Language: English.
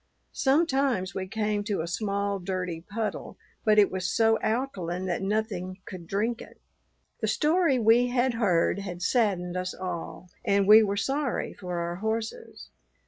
Sometimes we came to a small, dirty puddle, but it was so alkaline that nothing could drink it. The story we had heard had saddened us all, and we were sorry for our horses.